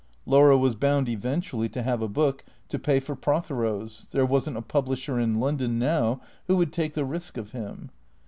Laura was bound eventually to have a book, to pay for Prothero's ; there was n't a publisher in London now who would take the risk of him.